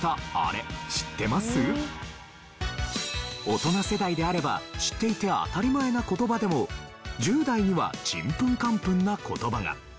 大人世代であれば知っていて当たり前な言葉でも１０代にはチンプンカンプンな言葉が。